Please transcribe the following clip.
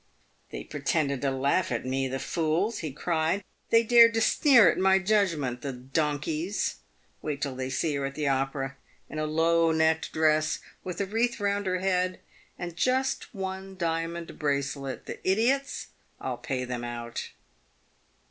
" They pretended to laugh at me, the fools !" he cried ;" they dared to sneer at my judgment, the donkeys ! Wait till they see her at the Opera, in a low necked dress, with a wreath round her head, and just one diamond bracelet. The idiots, I'll pay them out